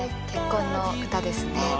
結婚の歌ですね。